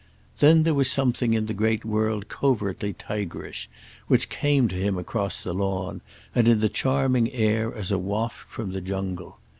Then there was something in the great world covertly tigerish, which came to him across the lawn and in the charming air as a waft from the jungle.